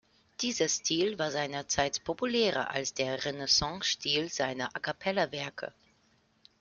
Dieser Stil war seinerzeit populärer als der Renaissance-Stil seiner a-cappella-Werke.